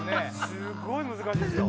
すごい難しいっすよ。